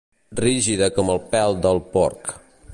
Rígida com el pèl del porc.